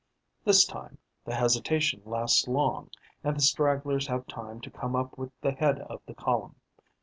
This time, the hesitation lasts long and the stragglers have time to come up with the head of the column.